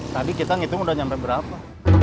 tadi kita ngitung udah sampai berapa